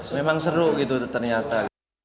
memang seru gitu ternyata